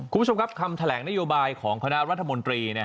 คุณผู้ชมครับคำแถลงนโยบายของคณะรัฐมนตรี